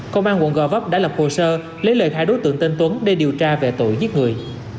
công an quận gò vấp đã lập hồ sơ lấy lời khai đối tượng tên tuấn để điều tra về tội giết người